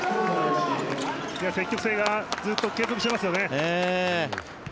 積極性がずっと継続していますよね。